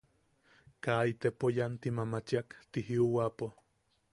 Kaa itepo yanti mamachiak ti jiuwapo.